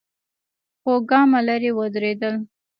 څو ګامه ليرې ودرېدل.